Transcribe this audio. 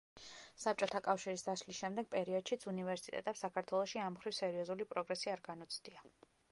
საბჭოთა კავშირის დაშლის შემდეგ პერიოდშიც უნივერსიტეტებს საქართველოში ამ მხრივ სერიოზული პროგრესი არ განუცდია.